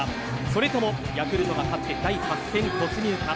それともヤクルトが勝って第８戦突入か。